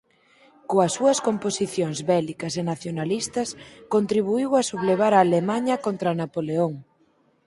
Coas súas composicións bélicas e nacionalistas contribuíu a sublevar a Alemaña contra Napoleón.